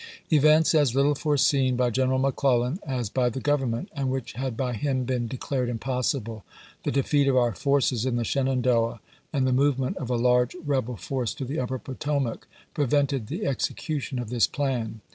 Events as little foreseen by General McClellan as by the Government, and which had by him been declared impossible, — the defeat of our forces in the Shenandoah and the movement of a large rebel force to the upper Potomac, — prevented the ex ecution of this plan.